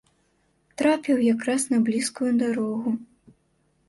Трапіў якраз на блізкую дарогу.